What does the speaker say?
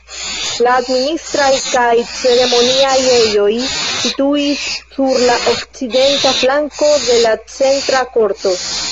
La administraj kaj ceremoniaj ejoj situis sur la okcidenta flanko de la centra korto.